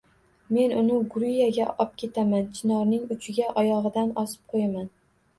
Men uni Guriyaga opketaman, chinorning uchiga oyogʻidan osib qoʻyaman